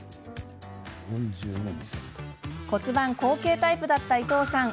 骨盤後傾タイプだった伊藤さん。